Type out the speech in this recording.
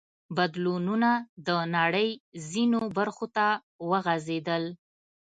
بدلونونه د نړۍ ځینو برخو ته وغځېدل.